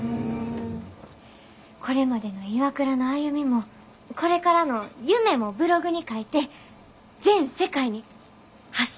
これまでのＩＷＡＫＵＲＡの歩みもこれからの夢もブログに書いて全世界に発信してみませんか？